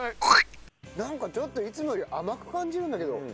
なんかちょっといつもより甘く感じるんだけど。